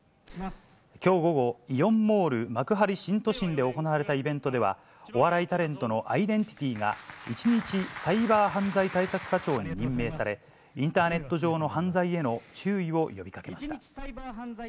きょう午後、イオンモール幕張新都心で行われたイベントでは、お笑いタレントのアイデンティティが一日サイバー犯罪対策課長に任命され、インターネット上の犯罪への注意を呼びかけました。